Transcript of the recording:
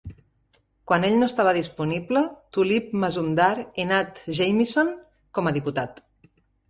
Quan ell no estava disponible, Tulip Mazumdar i Nat Jamieson com a diputat.